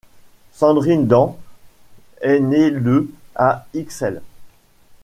Sandrine Dans est née le à Ixelles.